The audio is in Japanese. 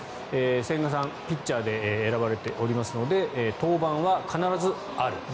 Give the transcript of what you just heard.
千賀さん、ピッチャーで選ばれておりますので登板は必ずある。